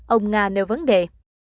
ông nga nêu vấn đề